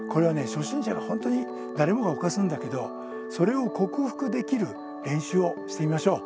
初心者が本当に誰もが犯すんだけどそれを克服できる練習をしてみましょう。